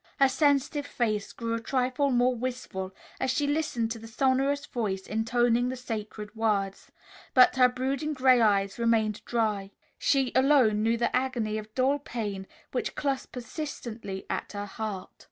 Her sensitive face grew a trifle more wistful as she listened to the sonorous voice intoning the sacred words, but her brooding gray eyes remained dry. She alone knew the agony of dull pain which clutched persistently at her heart.